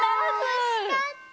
おしかった！